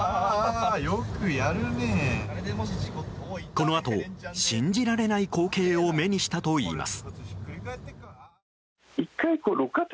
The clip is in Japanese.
このあと信じられない光景を目にしたといいます。